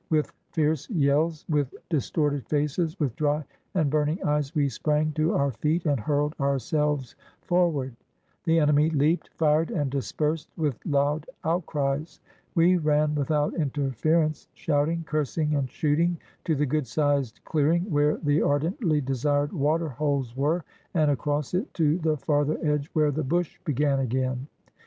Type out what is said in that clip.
With fierce yells, with distorted faces, v/ith dry and burning eyes, we sprang to our feet and hurled ourselves forward. 481 SOUTH AFRICA The enemy leaped, fired, and dispersed with loud out cries. We ran without interference, shouting, cursing, and shooting, to the good sized clearing where the ardently desired water holes were, and across it to the farther edge, where the bush began again.